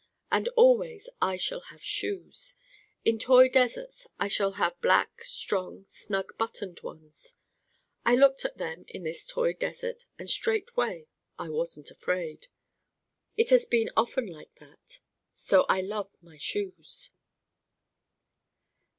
And always I shall have Shoes: in toy deserts I shall have black strong snug buttoned ones. I looked at them in this toy desert and straightway I wasn't afraid. It has been often like that. So I love my Shoes.